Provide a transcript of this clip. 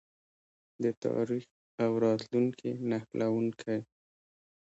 د تاریخ او راتلونکي نښلونکی.